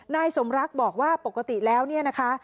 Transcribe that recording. นายสมรักบอกว่าปกติแล้วเนี่ยนะคะ